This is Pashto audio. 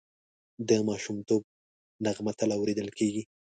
د ماشومتوب نغمه تل اورېدل کېږي